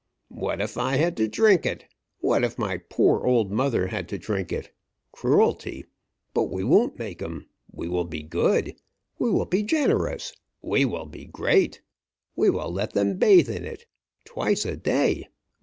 "What if I had to drink it! What if my poor old mother had to drink it! Cruelty! But we won't make 'em. We will be good! We will be generous! We will be great! We will let them bathe in it. Twice a day!